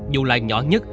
dù là nhỏ nhất